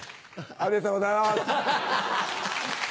ありがとうございます。